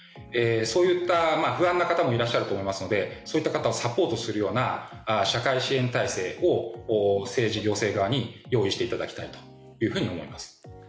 そういった不安な方もいらっしゃると思いますのでそういった方をサポートするような社会支援体制を政治・行政側に用意していただきたいと思います。